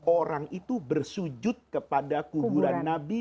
orang itu bersujud kepada kuburan nabi